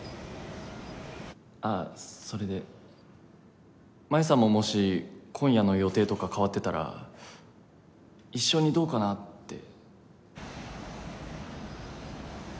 ああそれで真夢さんももし今夜の予定とか変わってたら一緒にどうかなって。